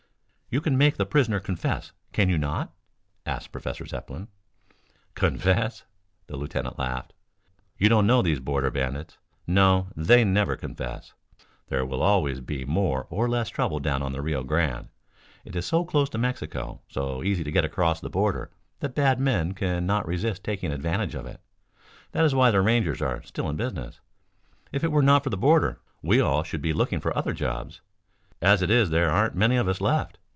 "You can make the prisoner confess, can you not?" asked Professor Zepplin. "Confess?" the lieutenant laughed. "You don't know these Border Bandits. No, they never confess. There will always be more or less trouble down on the Rio Grande. It is so close to Mexico, so easy to get across the border that bad men cannot resist taking advantage of it. That is why the Rangers are still in business. If it were not for the border we all should be looking for other jobs. As it is there aren't many of us left."